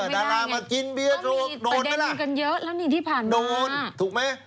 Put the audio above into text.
ดารามากินเบียร์โดนไหมล่ะโดนถูกไหม